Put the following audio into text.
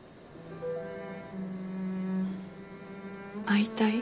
会いたい？